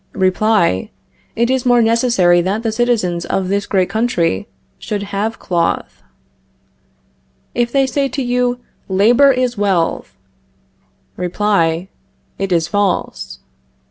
Reply: It is more necessary that the citizens of this great country should have cloth. If they say to you: Labor is wealth Reply: It is false.